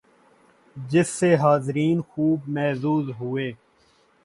جس سے حاضرین خوب محظوظ ہوئے